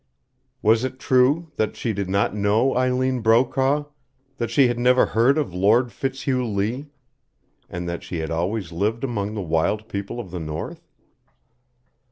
Was it true that she did not know Eileen Brokaw, that she had never heard of Lord Fitzhugh Lee, and that she had always lived among the wild people of the north?